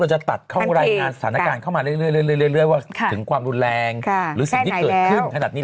จะตัดเข้ารายงานสถานการณ์เข้ามาเรื่อยว่าถึงความรุนแรงหรือสิ่งที่เกิดขึ้นขนาดนี้